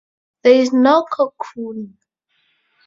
There is no cocoon.